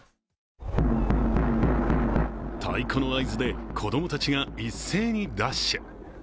太鼓の合図で子供たちが一斉にダッシュ。